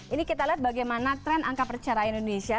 ini kita lihat bagaimana tren angka perceraian indonesia